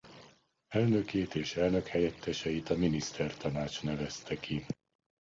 Elnökét és elnökhelyetteseit a Minisztertanács nevezte ki.